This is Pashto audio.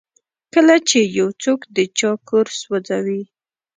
کله چې یو څوک د چا کور سوځوي.